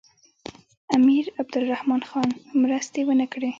امیر عبدالرحمن خان مرستې ونه کړې.